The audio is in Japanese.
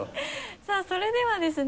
さぁそれではですね